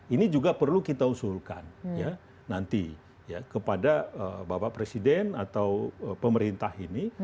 ini juga perlu kita usulkan ya nanti kepada bapak presiden atau pemerintah ini